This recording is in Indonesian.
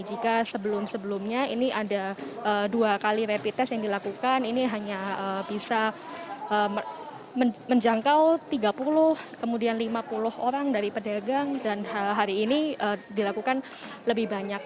jika sebelum sebelumnya ini ada dua kali rapid test yang dilakukan ini hanya bisa menjangkau tiga puluh kemudian lima puluh orang dari pedagang dan hari ini dilakukan lebih banyak